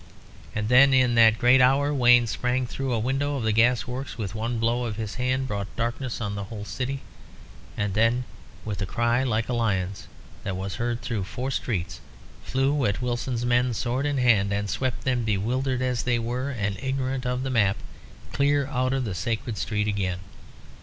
And that then, in that great hour, Wayne sprang through a window of the gas works, with one blow of his hand brought darkness on the whole city, and then with a cry like a lion's, that was heard through four streets, flew at Wilson's men, sword in hand, and swept them, bewildered as they were, and ignorant of the map, clear out of the sacred street again?